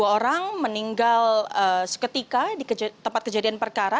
dua orang meninggal seketika di tempat kejadian perkara